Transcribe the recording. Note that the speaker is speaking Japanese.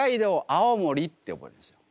青森って覚えるんですよ。